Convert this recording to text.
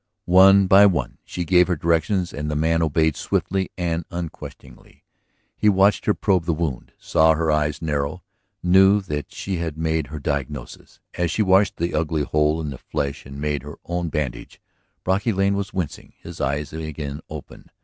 One by one she gave her directions and the man obeyed swiftly and unquestioningly. He watched her probe the wound, saw her eyes narrow, knew that she had made her diagnosis. As she washed the ugly hole in the flesh and made her own bandage Brocky Lane was wincing, his eyes again open.